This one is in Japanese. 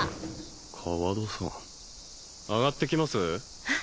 川戸さん上がってきます？